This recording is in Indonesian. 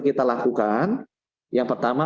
kita lakukan yang pertama